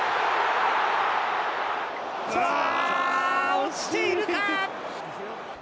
落ちているか。